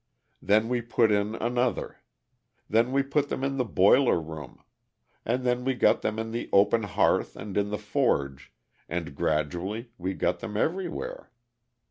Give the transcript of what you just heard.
Then we put in another. Then we put them in the boiler room, and then we got them in the open hearth and in the forge, and gradually we got them everywhere.